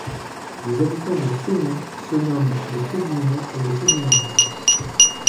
Les habitants de Fénay se nomment les Fédinois et les Fédinoises.